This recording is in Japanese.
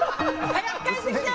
早く帰ってきて！